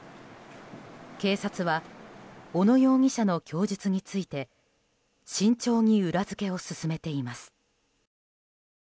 警察は小野容疑者の供述について慎重に裏付けを進めています。